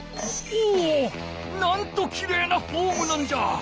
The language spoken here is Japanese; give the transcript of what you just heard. なんときれいなフォームなんじゃ。